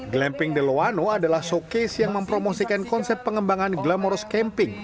glamping deloano adalah showcase yang mempromosikan konsep pengembangan glamours camping